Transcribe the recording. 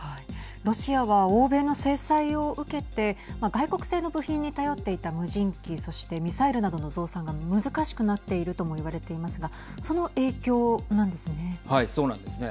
ロシアは欧米の制裁を受けて外国製の部品に頼っていた無人機、そしてミサイルなどの増産が難しくなっているともいわれていますがその影響なんですね。